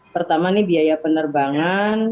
pertama ini biaya penerbangan